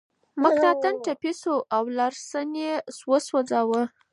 مکناتن ټپي شو او لارنس یې وسوځاوه.